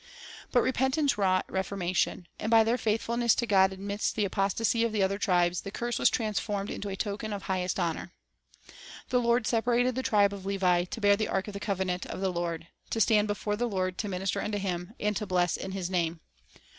1 But repentance wrought ref ormation ; and by their faithfulness to God amidst the apostasy of the other tribes, the curse was transformed * into a token of highest honor. "The Lord separated the tribe of Levi, to bear the ark of the covenant of the Lord, to stand before the Lord to minister unto Him, and to bless in His name."